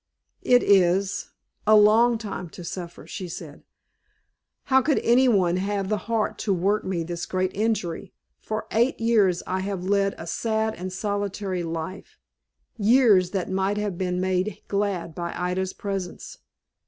"It is a long time to suffer," she said. "How could any one have the heart to work me this great injury? For eight years I have led a sad and solitary life, years that might have been made glad by Ida's presence."